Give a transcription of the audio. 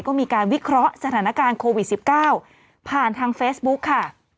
ก็มีการวิเคราะห์สถานการณ์โควิด๑๙ผ่านทางเฟซบุ๊กค่ะ